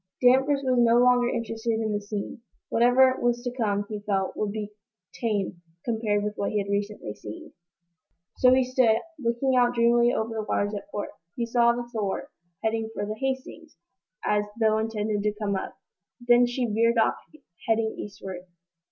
Danvers was no longer interested in the scene. Whatever was to come, he felt, would be tame compared with what he had recently seen. So he stood, looking out dreamily over the waters at port. He saw the "Thor" head for the "Hastings," as though intending to come up. Then she veered off, heading eastward.